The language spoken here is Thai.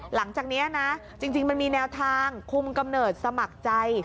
หลังจากนี้นะจริงมันมีแนวทางคุมกำเนิดสมัครใจ